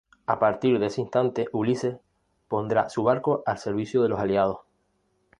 A partir de ese instante Ulises pondrá su barco al servicio de los aliados.